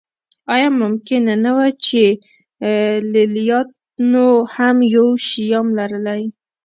آیا ممکنه نه وه چې لېلیانو هم یو شیام لرلی